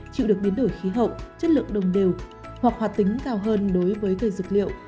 chịu được biến đổi khí hậu chất lượng đồng đều hoặc hoạt tính cao hơn đối với cây dược liệu